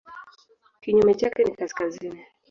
Kinyume chake ni kaskazini.